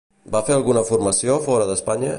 Va fer alguna formació fora d'Espanya?